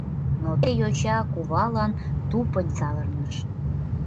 Но теве йоча кувалан тупынь савырныш.